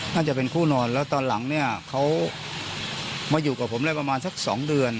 น่าจะเป็นคู่นอนแล้วตอนหลังเนี่ยเขามาอยู่กับผมได้ประมาณสัก๒เดือน